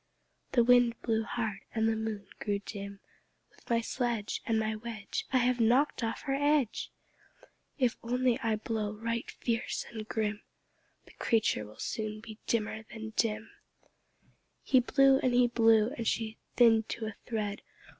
The Wind blew hard, and the Moon grew dim. "With my sledge And my wedge I have knocked off her edge! If only I blow right fierce and grim, The creature will soon be dimmer than dim." He blew and blew, and she thinned to a thread.